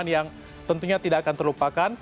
yang tentunya tidak akan terlupakan